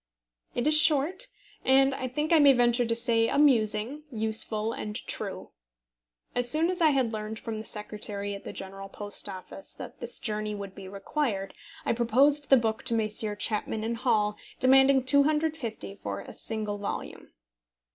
It is short, and, I think I may venture to say, amusing, useful, and true. As soon as I had learned from the secretary at the General Post Office that this journey would be required, I proposed the book to Messrs. Chapman & Hall, demanding £250 for a single volume.